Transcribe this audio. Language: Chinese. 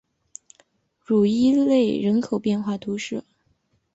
鲁伊勒人口变化图示